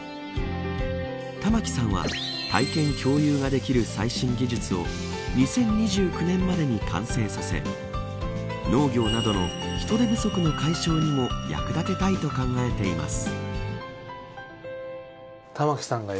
玉城さんは体験共有ができる最新技術を２０２９年までに完成させ農業などの人手不足の解消にも役立てたいと考えています。